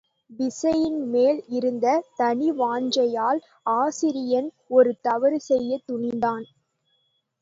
விசயன் மேல் இருந்த தனிவாஞ்சையால் ஆசிரியன் ஒரு தவறு செய்யத் துணிந்தான்.